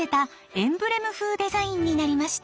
エンブレム風デザインになりました。